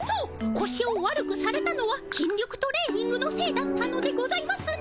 こしを悪くされたのは筋力トレーニングのせいだったのでございますね。